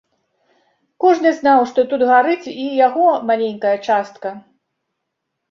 Кожны знаў, што тут гарыць і яго маленькая частка.